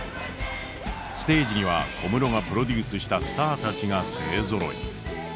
ステージには小室がプロデュースしたスターたちが勢ぞろい。